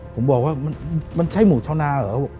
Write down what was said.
ผมบอกว่ามันใช้หมูชาวนาเหรอ